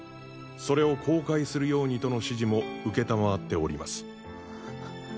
それを公開するようにとの指示も承っております。